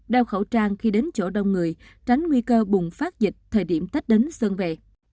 đeo khẩu trang khi đến chỗ đông người tránh nguy cơ bùng phát dịch thời điểm tết đến xuân về